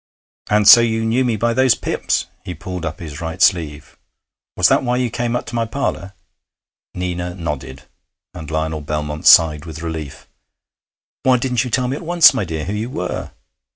And so you knew me by those pips.' He pulled up his right sleeve. 'Was that why you came up to my parlour?' Nina nodded, and Lionel Belmont sighed with relief. 'Why didn't you tell me at once, my dear, who you where?'